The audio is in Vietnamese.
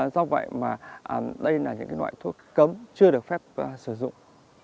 do vậy mà đây là những loại thuốc cấm chưa được phép sử dụng